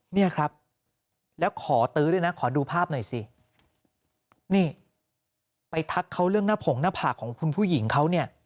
เนี่ยครับแล้วขอตื้อด้วยนะขอดูภาพหน่อยสินี่ไปทักเขาเรื่องหน้าผงหน้าผากของคุณผู้หญิงเขาเนี่ย